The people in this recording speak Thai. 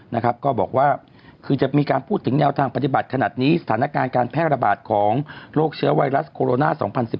นะครับก็บอกว่าคือจะมีการพูดถึงแนวทางปฏิบัติขนาดนี้สถานการณ์การแพร่ระบาดของโรคเชื้อไวรัสโคโรนา๒๐๑๙